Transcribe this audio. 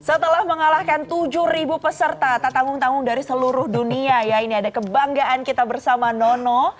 setelah mengalahkan tujuh peserta tak tanggung tanggung dari seluruh dunia ya ini ada kebanggaan kita bersama nono